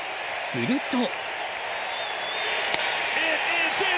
すると。